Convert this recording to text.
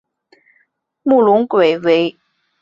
慕容廆后为其在辽西侨置乐浪郡。